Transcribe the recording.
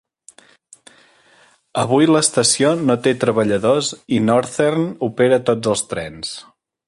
Avui l'estació no té treballadors i Northern opera tots els trens.